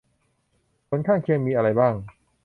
ผลข้างเคียงมีอะไรบ้าง